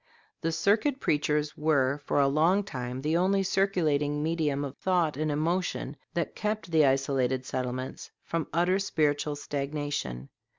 The circuit preachers were for a long time the only circulating medium of thought and emotion that kept the isolated settlements from utter spiritual stagnation.